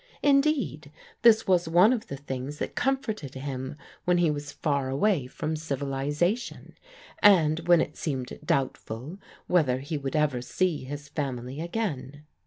Indeed this was one of the things that comforted him when he was far away from civilization, and when it seemed doubtful whether he would ever see his family again.